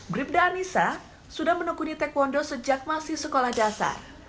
bribda anissa sudah menekuni taekwondo sejak masih sekolah dasar